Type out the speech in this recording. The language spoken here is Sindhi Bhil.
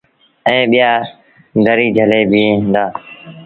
ائيٚݩ ٻيٚآ دريٚ جھلي بيٚهين دآ۔